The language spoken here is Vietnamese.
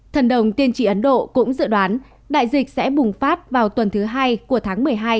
thần đồng tiên tri ấn độ cũng dự đoán đại dịch sẽ bùng phát vào tuần thứ hai của tháng một mươi hai